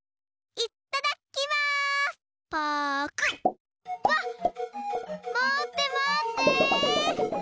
まってまって！